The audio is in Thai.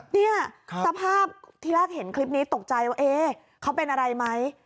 เนี่ยสภาพที่แรกเห็นคลิปนี้ตกใจว่าเขาเป็นอะไรไหม